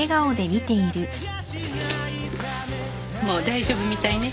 もう大丈夫みたいね。